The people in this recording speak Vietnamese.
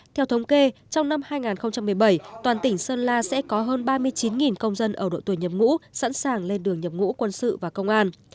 theo thống kê trong năm hai nghìn một mươi bảy toàn tỉnh sơn la sẽ có hơn ba mươi chín công dân ở độ tuổi nhập ngũ sẵn sàng lên đường nhập ngũ quân sự và công an